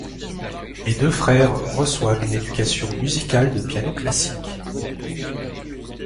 Les deux frères reçoivent une éducation musicale de piano classique.